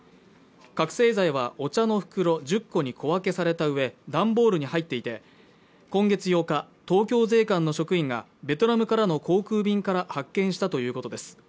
覚醒剤はお茶の袋１０個に小分けされた上段ボールに入っていて今月８日東京税関の職員がベトナムからの航空便から発見したということです